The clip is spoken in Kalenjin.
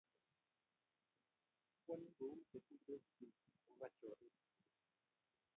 kwoni kou cheituisot biik ako kaa choriik